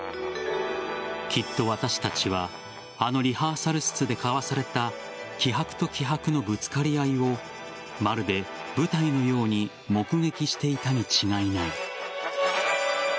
きっと私たちはあのリハーサル室で交わされた気迫と気迫のぶつかり合いをまるで舞台のように目撃していたに違いない。